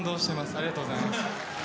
ありがとうございます。